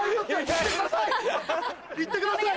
行ってください！